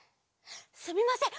すみません。